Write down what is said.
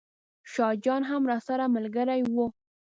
شاه جان هم راسره ملګری و.